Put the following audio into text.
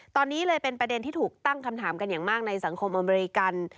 ตอนนี้เลยเป็นประเด็นที่ถูกตั้งคำถามกันอย่างมากในสังคมอเมริกัน